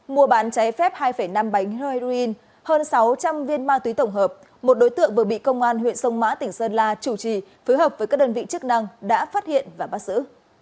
mùa bán cháy phép hai năm bánh heroin hơn sáu trăm linh viên ma túy tổng hợp một đối tượng vừa bị công an huyện sông mã tỉnh sơn la chủ trì phối hợp với các đơn vị chức năng đã phát hiện và bắt giữ